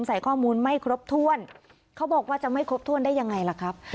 ใส่ข้อมูลไม่ครบถ้วนเขาบอกว่าจะไม่ครบถ้วนได้ยังไงล่ะครับ